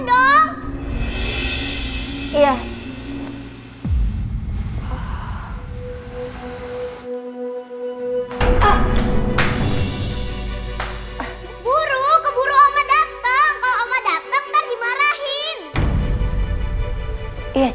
buru keburu oma dateng